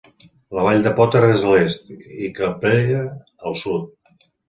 La vall de Potter és a l'est i Calpella al sud.